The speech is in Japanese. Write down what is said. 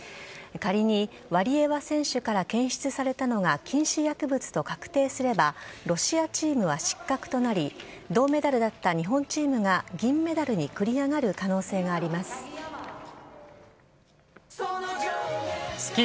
仮にワリエワ選手から検出されたのが禁止薬物と確定すればロシアチームは失格となり銅メダルだった日本チームが銀メダルに繰り上がる可能性があります。